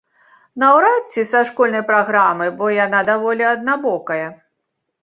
Наўрад ці са школьнай праграмы, бо яна даволі аднабокая.